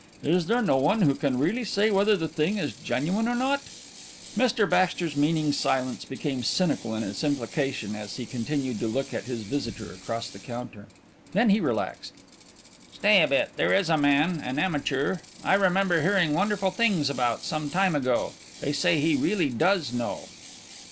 Is there no one who can really say whether the thing is genuine or not?" Mr Baxter's meaning silence became cynical in its implication as he continued to look at his visitor across the counter. Then he relaxed. "Stay a bit; there is a man an amateur I remember hearing wonderful things about some time ago. They say he really does know."